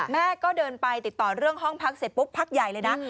แม่ก็เดินไปติดต่อเรื่องห้องพักเสร็จปุ๊บพักใหญ่เลยนะ